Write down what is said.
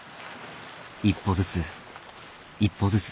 一歩ずつ一歩ずつ。